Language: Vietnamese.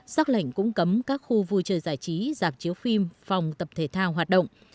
xác lệnh cũng cấm các khu vui chơi giải trí dạp chiếu phim phòng tập thể thao hoạt động